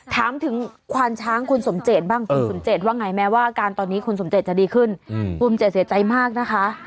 ถามถึงควานช้างคุณสมเจตบ้างคุณสมเจตว่าไงแม้ว่าอาการตอนนี้คุณสมเจตจะดีขึ้นภูมิใจเสียใจมากนะคะ